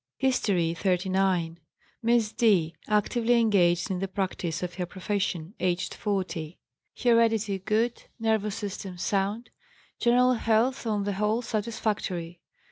HISTORY XXXIX. Miss D., actively engaged in the practice of her profession, aged 40. Heredity good, nervous system sound, general health on the whole satisfactory.